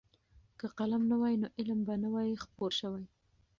که قلم نه وای نو علم به نه وای خپور شوی.